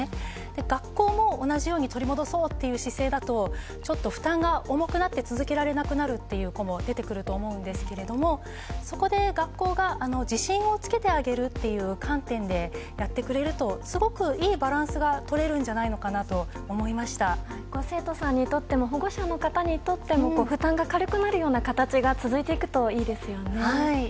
学校も同じように取り戻そうという姿勢だとちょっと負担が重くなって続けられなくなる子も出てくると思うんですがそこで学校が自信をつけてあげるという観点でやってくれるとすごくいいバランスが生徒さんにとっても保護者の方にとっても負担が軽くなるような形が続いていくといいですよね。